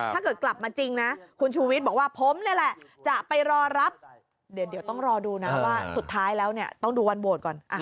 ถ้าเกิดกลับมาจริงนะคุณชูวิทย์บอกว่าผมนี่แหละจะไปรอรับเดี๋ยวต้องรอดูนะว่าสุดท้ายแล้วเนี่ยต้องดูวันโหวตก่อน